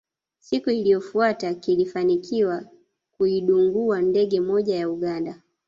Siku iliyofuata kilifanikiwa kuidungua ndege moja ya Uganda